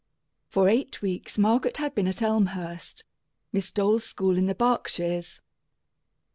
For eight weeks Margaret had been at Elmhurst, Miss Dole's school in the Berkshires.